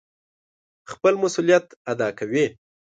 خپل مسئوليت اداء کوي.